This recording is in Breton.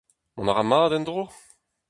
Mont a ra mat en-dro ?